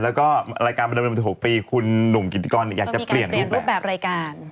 แล้วก็รายการประจำ๖ปีคุณหนุ่มกิติกรอยากจะเปลี่ยนรูปแบบรายการ